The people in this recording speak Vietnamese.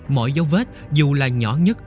mỗi dấu vết dù là nhỏ nhất